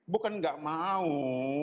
bukan nggak mau